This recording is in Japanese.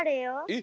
え？